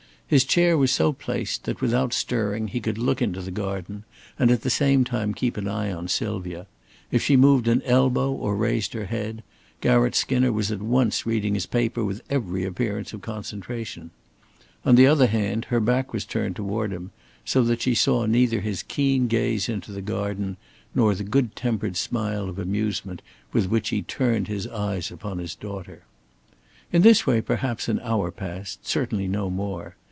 His chair was so placed that, without stirring, he could look into the garden and at the same time keep an eye on Sylvia; if she moved an elbow or raised her head, Garratt Skinner was at once reading his paper with every appearance of concentration. On the other hand, her back was turned toward him, so that she saw neither his keen gaze into the garden nor the good tempered smile of amusement with which he turned his eyes upon his daughter. In this way perhaps an hour passed; certainly no more.